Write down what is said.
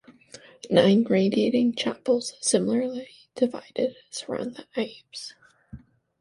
Nine radiating chapels, similarly divided, surround the apse.